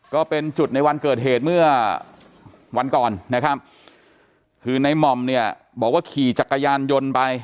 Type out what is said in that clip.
ก็เป็นจุดในวันเกิดเหตุเมื่อวันก่อนนะครับคือในหม่อมเนี่ยบอกว่าขี่จักรยานยนต์ไป